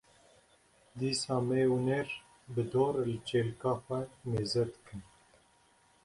dîsa mê û nêr bi dor li çêlika xwe mêze dikin.